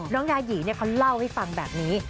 น้องนายีเขาเล่าให้ฟังแบบนี้